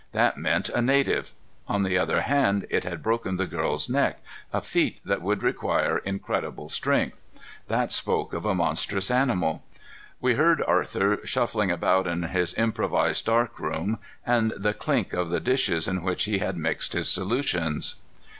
That meant a native. On the other hand, it had broken the girl's neck, a feat that would require incredible strength. That spoke of a monstrous animal. We heard Arthur shuffling about in his improvised dark room, and the clink of the dishes in which he had mixed his solutions.